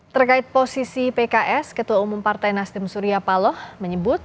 terkait posisi pks ketua umum partai nasdem surya paloh menyebut